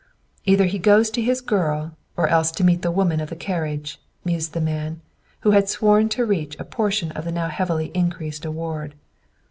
"Either he goes to his girl, or else to meet the woman of the carriage," mused the man, who had sworn to reach a portion of the now heavily increased award.